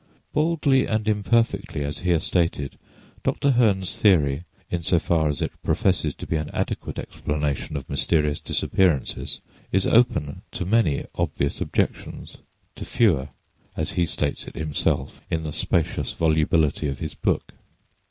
Baldly and imperfectly as here stated, Dr. Hem's theory, in so far as it professes to be an adequate explanation of "mysterious disappearances," is open to many obvious objections; to fewer as he states it himself in the "spacious volubility" of his book.